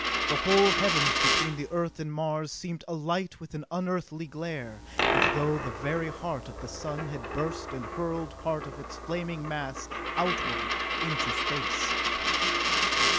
The whole Heavens between the Earth and Mars seemed alight with an unearthly glare, as though the very heart of the sun had burst and hurled part of its flaming mass outward into space.